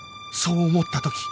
そう思った時